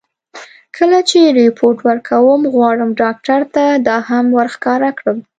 کله چې رېپورټ ورکوم، غواړم ډاکټر ته دا هم ور ښکاره کړم.